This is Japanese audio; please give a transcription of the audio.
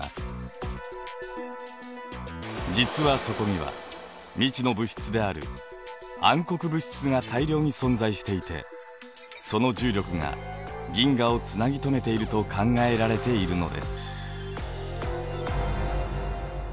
実はそこには未知の物質である暗黒物質が大量に存在していてその重力が銀河をつなぎ止めていると考えられているのです。